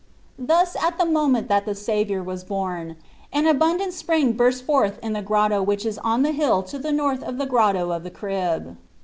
Thus at the moment that the Saviour was born an abundant spring burst forth in the grotto which is on the hill to the north of the Grotto of the Crib.